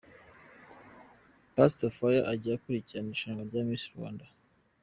Pastor Fire ajya akurikirana irushanwa rya Miss Rwanda?